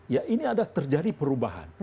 ya ini ada terjadi perubahan